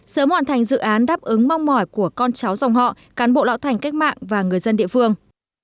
sớm hoàn thành dự án đáp ứng mong mỏi của con cháu dòng họ cán bộ lão thành cách mạng và người dân địa phương